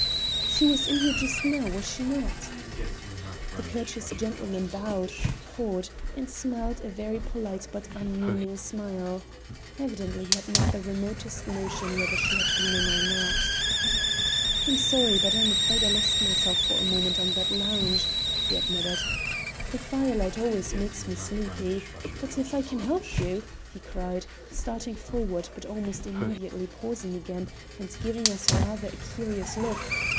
"She was in here just now, was she not?" The courteous gentleman bowed, hawed, and smiled a very polite but unmeaning smile. Evidently he had not the remotest notion whether she had been in or not. "I am sorry, but I am afraid I lost myself for a moment on that lounge," he admitted. "The firelight always makes me sleepy. But if I can help you," he cried, starting forward, but almost immediately pausing again and giving us rather a curious look.